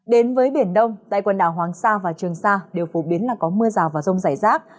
đến với biển đông tại quần đảo hoàng sa và trường sa đều phổ biến là có mưa rào và rông rải rác